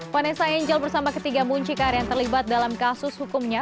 vanessa angel bersama ketiga muncikari yang terlibat dalam kasus hukumnya